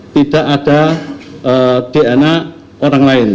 tidak ada dna orang lain